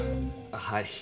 はい。